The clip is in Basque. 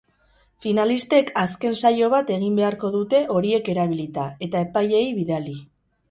Finalistek azken saio bat egin beharko dute horiek erabilita, eta epaileei bidali.